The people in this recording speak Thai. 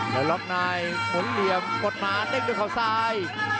แล้วรอบนายหมุนเหลี่ยมปลดหนาเด็กด้วยเขาซ้าย